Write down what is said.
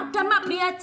udah mak beli aja